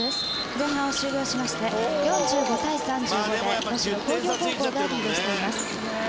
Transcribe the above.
前半を終了しまして４５対３５で能代工業高校がリードしています。